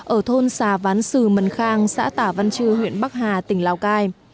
ở thôn xà ván sừ mần khang xã tả văn chư huyện bắc hà tỉnh lào cai